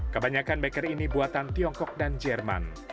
kebanyakan beker ini buatan tiongkok dan jerman